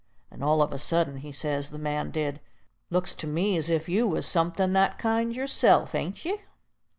And all of a suddent he says, the man did, "Looks to me's if you was somethin' that kind yourself, ain't ye?"